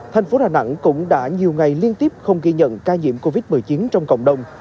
thành phố đà nẵng cũng đã nhiều ngày liên tiếp không ghi nhận ca nhiễm covid một mươi chín trong cộng đồng